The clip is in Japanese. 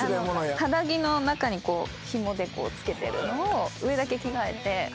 肌着の中にひもでつけてるのを上だけ着替えて帰っちゃって。